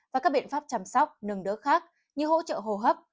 và các biện pháp chăm sóc nâng đỡ khác như hỗ trợ hồ hấp